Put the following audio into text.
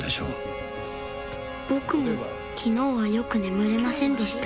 僕も昨日はよく眠れませんでした